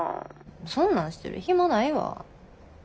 そんなんしてる暇ないわ。